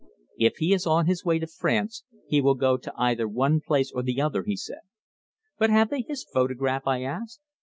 "If he is on his way to France he will go to either one place or the other," he said. "But have they his photograph?" I asked.